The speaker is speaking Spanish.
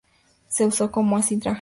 Se usó como astringente.